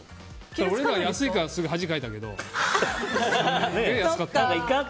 俺ら、安いから恥かいたけど。